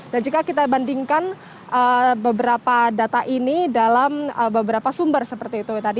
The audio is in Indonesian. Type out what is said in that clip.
dan jika kita bandingkan beberapa data ini dalam beberapa sumber seperti itu